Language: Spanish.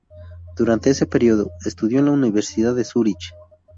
Durante ese período, estudió en la Universidad de Zúrich.